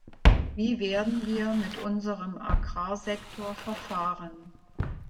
Wie werden wir mit unserem Agrarsektor verfahren?